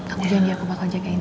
aku janji aku bakal jagain